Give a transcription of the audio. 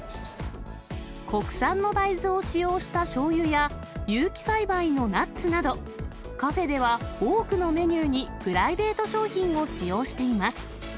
国産の大豆を使用したしょうゆや、有機栽培のナッツなど、カフェでは多くのメニューにプライベート商品を使用しています。